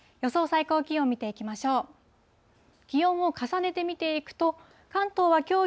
最高気温見ていきましょう。